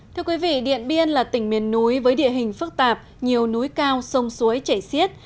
thưa quý vị điện biên là tỉnh miền núi với địa hình phức tạp nhiều núi cao sông suối chảy xiết